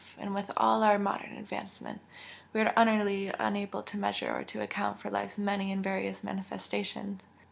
and with all our modern advancement, we are utterly unable to measure or to account for life's many and various manifestations.